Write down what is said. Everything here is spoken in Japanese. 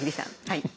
はい。